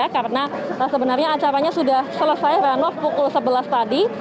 karena sebenarnya acaranya sudah selesai heranov pukul sebelas tadi